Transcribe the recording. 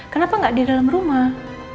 kenapa nggak di dalam rumah